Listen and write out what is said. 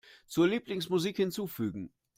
Zur Lieblingsmusik hinzufügen.